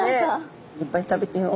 いっぱい食べてよ。